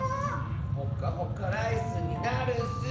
ほかほかライスになるッス。